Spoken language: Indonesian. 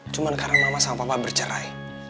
cuma karena mama sama papa bercerai